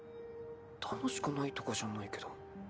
楽しくないとかじゃないけど。